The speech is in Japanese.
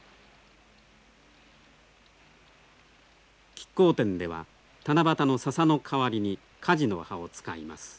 乞巧奠では七夕の笹の代わりに梶の葉を使います。